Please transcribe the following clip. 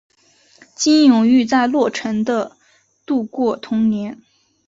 金永玉在洛城的度过童年。